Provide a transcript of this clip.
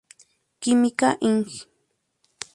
Química, Ing.